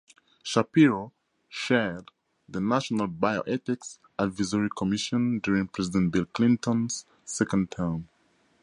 Shapiro chaired the National Bioethics Advisory Commission during President Bill Clinton's second term.